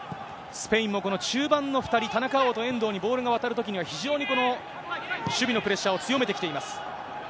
スペインもこの中盤の２人、田中碧と遠藤にボールが渡るときには、非常にこの守備のプレッシャーを強めてきています。